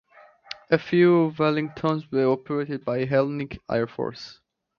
A few Wellingtons were operated by the Hellenic Air Force.